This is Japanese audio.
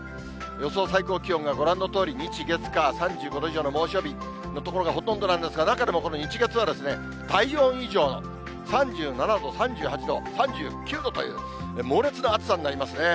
予想最高気温がご覧のとおり、日、月、火、３５度以上の猛暑日の所がほとんどなんですが、中でもこの日、月は体温以上の３７度、３８度、３９度という、猛烈な暑さになりますね。